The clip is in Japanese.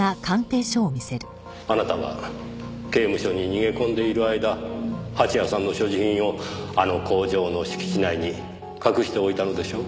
あなたは刑務所に逃げ込んでいる間蜂矢さんの所持品をあの工場の敷地内に隠しておいたのでしょう？